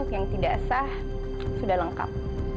yang tidak sah sudah lengkap